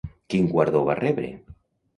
Quin guardó va rebre?